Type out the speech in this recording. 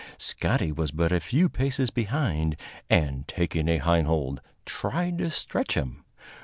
Scotty was but a few paces behind, and, taking a hind hold, tried to stretch him.